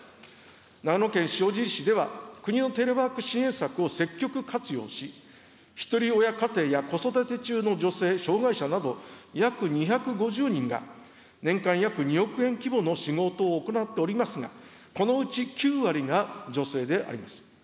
長野県塩尻市では国のテレワーク支援策を積極活用し、ひとり親家庭や子育て中の女性、障害者など、約２５０人が年間約２億円規模の仕事を行っておりますが、このうち９割が女性であります。